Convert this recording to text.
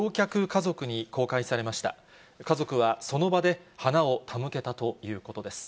家族はその場で花を手向けたということです。